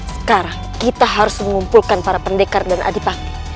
sekarang kita harus mengumpulkan para pendekar dan adipati